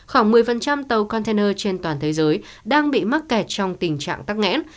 khoảng một mươi tàu container trên toàn thế giới đang bị mắc kẹt trong tình trạng tắc nghẽn